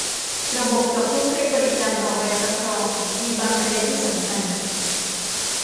ระบบกับผู้ให้บริการออกใบรับรอง มีบางประเด็นที่สำคัญ